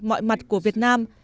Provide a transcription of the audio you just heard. mọi mặt của việt nam